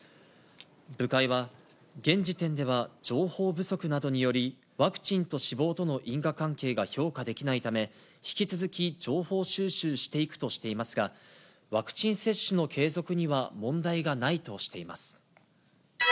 部会は現時点では情報不足などにより、ワクチンと死亡との因果関係が評価できないため、引き続き情報収集していくとしていますが、ワクチン接種の継続には問題がないとしています。